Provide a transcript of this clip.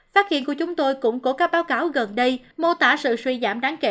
phát hiện của chúng tôi cũng có các báo cáo gần đây mô tả sự suy giảm đáng kể